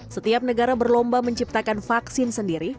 setiap negara berlomba menciptakan vaksin sendiri